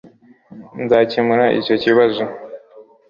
Nzakemura icyo kibazo